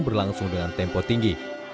berlangsung dengan tempo tinggi